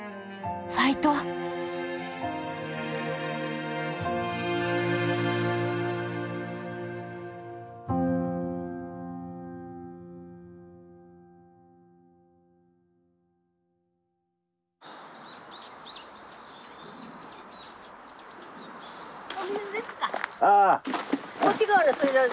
ファイト！お水ですか？